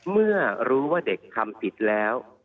เมื่อรู้ว่าเด็กทำผิดแล้ว